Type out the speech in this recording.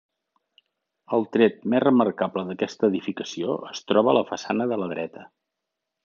El tret més remarcable d'aquesta edificació es troba a la façana de la dreta.